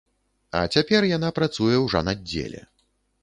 А цяпер яна працуе ў жанаддзеле.